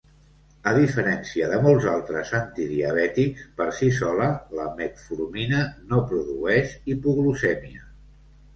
A diferència de molts altres antidiabètics, per si sola, la metformina no produeix hipoglucèmia.